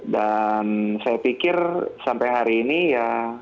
dan saya pikir sampai hari ini ya